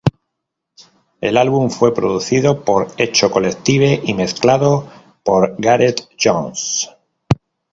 El álbum fue producido por Echo Collective y mezclado por Gareth Jones.